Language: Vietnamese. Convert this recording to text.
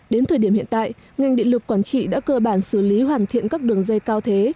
đến thời điểm hiện tại ngành điện lực quảng trị đã cơ bản xử lý hoàn thiện các đường dây cao thế